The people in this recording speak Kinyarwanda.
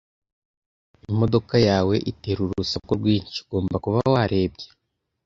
Imodoka yawe itera urusaku rwinshi. Ugomba kuba warebye.